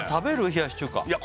冷やし中華いや